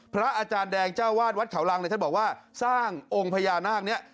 พระอาจารย์แดงเจ้าวาดวัดเขารังเนี่ยท่านบอกว่าสร้างองค์พญานาคนี้